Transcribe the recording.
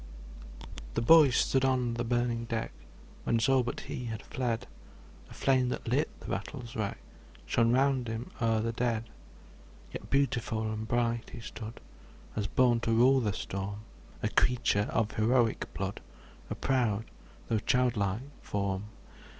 ] THE boy stood on the burning deck, Whence all but he had fled; The flame that lit the battle's wreck, Shone round him o'er the dead. Yet beautiful and bright he stood, As born to rule the storm; A creature of heroic blood, A proud though childlike form.